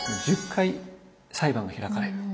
１０回裁判が開かれる。